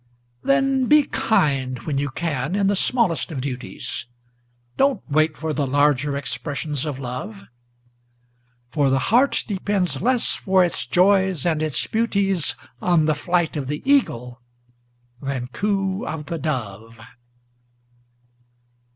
Then be kind when you can in the smallest of duties, Don't wait for the larger expressions of Love; For the heart depends less for its joys and its beauties On the flight of the Eagle than coo of the Dove.